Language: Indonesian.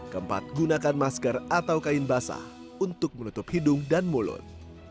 keempat gunakan masker atau kain basah untuk menutup hidung dan mulut